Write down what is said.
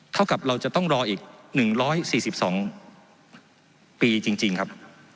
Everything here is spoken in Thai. เท่ากับเราจะต้องรออีก๑๔๒ปีจริงครับ